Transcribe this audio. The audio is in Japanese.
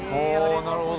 ◆なるほど。